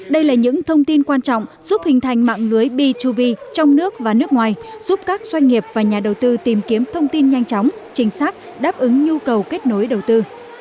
đây là những thông tin quan trọng giúp hình thành mạng lưới b trong nước và nước ngoài giúp các doanh nghiệp và nhà đầu tư tìm kiếm thông tin nhanh chóng chính xác đáp ứng nhu cầu kết nối đầu tư